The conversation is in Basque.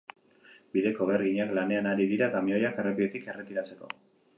Bideko beharginak lanean ari dira kamioiak errepidetik erretiratzeko.